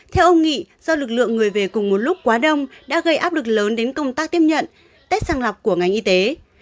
theo ông nghị do lực lượng người về cùng một lúc quá đông đã gây áp lực lớn đến công tác tiếp nhận tết sàng lọc của ngành y tế